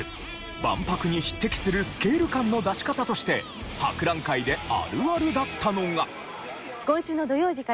万博に匹敵するスケール感の出し方として博覧会であるあるだったのが。